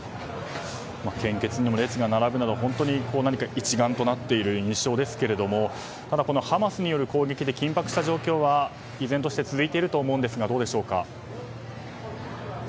献血にも列が並ぶなど、本当に一丸となっている印象ですがただ、ハマスによる攻撃で緊迫した状況は依然として続いていると思いますが、どうですか。